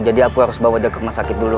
jadi aku harus bawa dia ke rumah sakit dulu